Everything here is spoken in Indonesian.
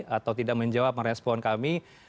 atau tidak menjawab respon kami